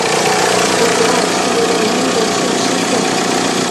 海弗格尔是一位英国圣诗作者。